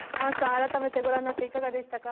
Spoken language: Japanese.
改めてご覧になっていかがでしたか？